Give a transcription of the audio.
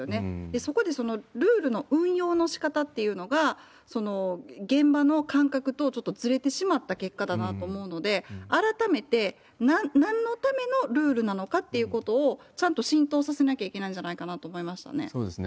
そこでそのルールの運用のしかたっていうのが、現場の感覚とちょっとずれてしまった結果だなと思うので、改めてなんのためのルールなのかっていうことを、ちゃんと浸透させなきゃいけないんじゃないかと思いましたね。